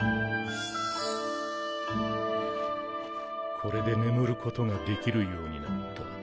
これで眠ることが出来るようになった。